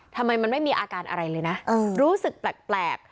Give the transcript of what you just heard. ทำไมมันไม่มีอาการอะไรเลยนะรู้สึกแปลก